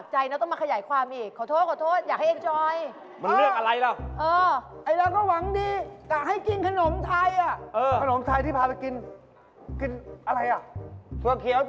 กินอะไรอ่ะถั่วเขียวเจ้าล้ำตาลโอ้โฮ